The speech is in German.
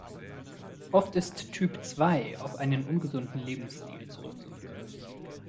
Oft ist Typ zwei auf einen ungesunden Lebensstil zurückzuführen.